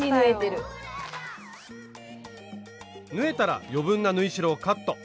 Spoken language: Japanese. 縫えたら余分な縫い代をカット。